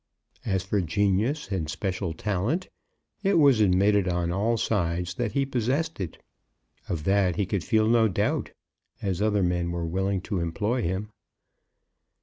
As for genius and special talent, it was admitted on all sides that he possessed it. Of that he could feel no doubt, as other men were willing to employ him.